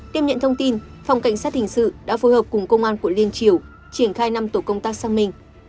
đêm nhận thông tin phòng cảnh sát hình sự đã phối hợp cùng công an quận liên triều triển khai năm tổ công tác sang mình